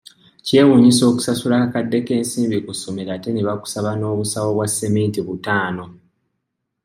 Kyewuunyisa okusasula akakadde k'ensimbi ku ssomero ate ne bakusaba n'obusawo bwa ssementi butaano.